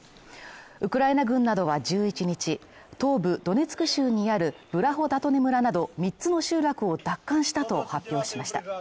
ウクライナ軍などは１１日、東部ドネツク州にあるブラホダトネ村など三つの集落を奪還したと発表しました。